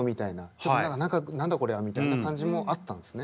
ちょっと何か何だこりゃみたいな感じもあったんですね。